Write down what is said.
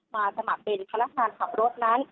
มาสมัครเป็นคาราการขับรถนั้น